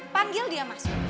panggil dia masuk